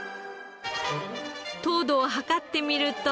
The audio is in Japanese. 糖度を測ってみると。